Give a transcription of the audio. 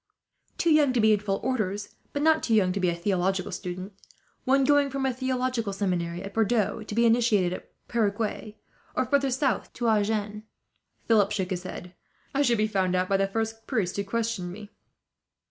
"Too young to be in full orders, but not too young to be a theological student: one going from a theological seminary, at Bordeaux, to be initiated at Perigueux, or further south to Agen." Philip shook his head. "I should be found out by the first priest who questioned me."